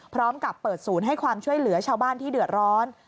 พร้อมกับเปิดศูนย์ให้ความช่วยเหลือชาวบ้านที่เดือดร้อน